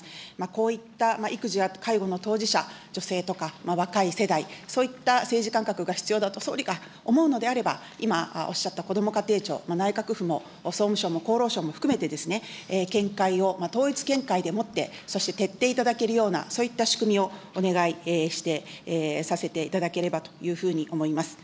こういった育児や介護の当事者、女性とか若い世代、そういった政治感覚が必要だと、総理が思うのであれば、今おっしゃったこども家庭庁、内閣府も総務省も厚労省も含めてですね、見解を、統一見解でもって、そして徹底いただけるような、そういった仕組みを、お願いさせていただければというふうに思います。